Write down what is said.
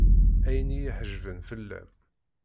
Ayen i yi-ḥejben fell-am.